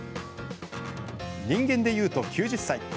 人間でいうと９０歳。